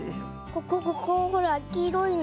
ここここほらきいろいの。